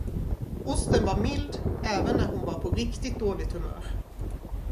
Osten var mild även när hon var på riktigt dåligt humör.